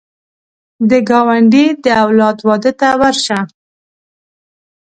د ګاونډي د اولاد واده ته ورشه